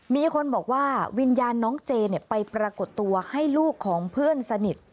มีคนบอกว่าวิญญาณน้องเจไปปรากฏตัวให้ลูกของเพื่อนสนิท